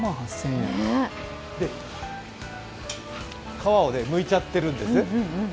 皮をむいちゃってるんです。